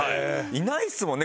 いないですもんね？